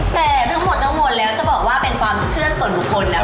แต่ทั้งหมดแล้วจะบอกว่าเป็นความเชื่อส่วนตัวคนนะคะ